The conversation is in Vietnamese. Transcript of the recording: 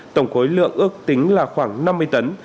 tổng khối lượng ước tính là khoảng năm mươi tấn